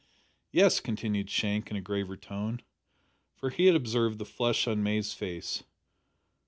"Yes," continued Shank, in a graver tone, for he had observed the flush on May's face.